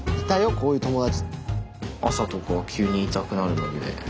こういう友達。